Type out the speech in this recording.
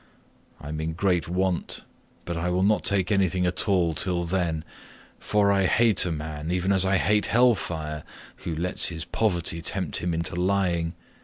I am in great want, but I will not take anything at all till then, for I hate a man, even as I hate hell fire, who lets his poverty tempt him into lying.